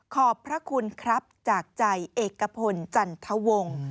ขอบพระคุณครับจากใจเอกพลจันทวงศ์